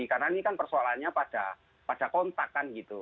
karena ini kan persoalannya pada kontak kan gitu